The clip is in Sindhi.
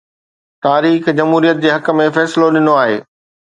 تاريخ جمهوريت جي حق ۾ فيصلو ڏنو آهي.